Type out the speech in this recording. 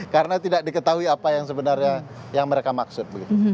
karena tidak diketahui apa yang sebenarnya yang mereka maksud